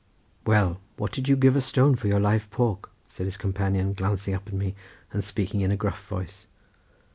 "Well, what did you give a stone for your live pork?" said his companion glancing up at me, and speaking in a gruff voice.